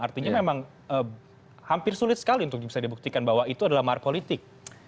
artinya memang hampir sulit sekali untuk bisa dibuktikan bahwa itu adalah mahar politik